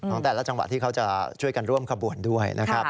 ของแต่ละจังหวัดที่เขาจะช่วยกันร่วมขบวนด้วยนะครับ